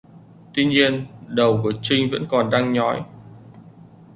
Tuy nhiên đầu của trinh vẫn còn đang nhói